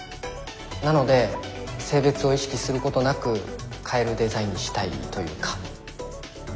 なので性別を意識することなく買えるデザインにしたいというか。